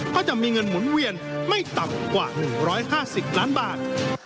ก็จะมีเงินหมุนเวียนไม่ต่ำกว่าหนึ่งร้อยห้าสิบล้านบาท